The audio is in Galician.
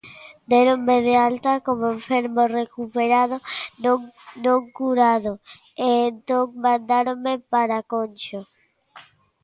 "Déronme de alta como enfermo recuperado, non curado, e entón mandáronme para Conxo;"